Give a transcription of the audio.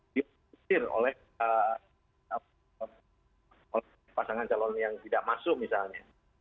dipertir oleh pasangan calon yang tidak masuk misalnya